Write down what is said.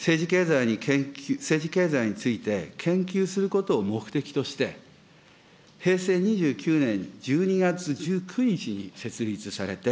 政治経済について研究することを目的として、平成２９年１２月１９日に設立されて、